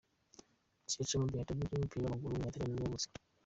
Giacomo Brichetto, umukinnyi w’umupira w’amaguru w’umutaliyani nibwo yavutse.